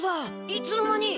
いつの間に。